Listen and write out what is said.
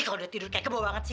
kau udah tidur kekeh banget sih